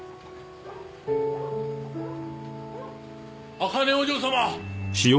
茜お嬢様。